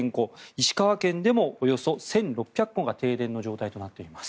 石川県でもおよそ１６００戸が停電の状態となっています。